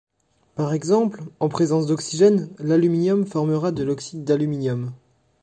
Par exemple en présence d'oxygène, l'aluminium formera de l'oxyde d'aluminium.